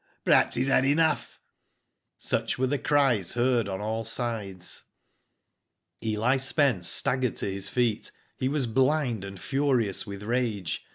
Perhaps he's had enough !" Such were the cries heard on all sides. Eli Spence staggered to his feet. He was blind and furious with rage.